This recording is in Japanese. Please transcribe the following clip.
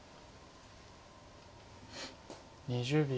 ２０秒。